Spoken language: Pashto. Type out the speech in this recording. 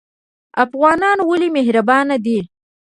افغانان ولې مهربان دي؟